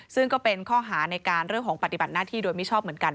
ซึ่งก็เป็นข้อหาในการเรื่องของปฏิบัติหน้าที่โดยมิชอบเหมือนกัน